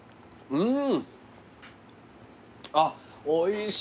うん！